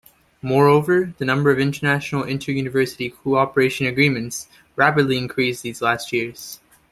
Moreover, the number of international inter-university co-operation agreements rapidly increased these last years.